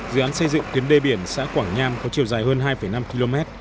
dự án xây dựng tuyến đê biển xã quảng nham có chiều dài hơn hai năm km